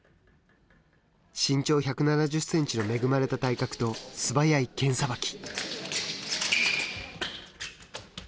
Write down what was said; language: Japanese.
身長１７０センチの恵まれた体格と素早い剣さばき。